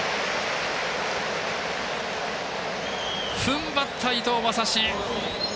ふんばった伊藤将司。